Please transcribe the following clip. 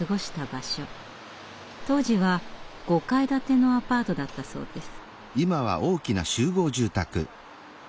当時は５階建てのアパートだったそうです。